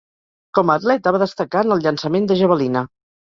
Com a atleta va destacar en el llançament de javelina.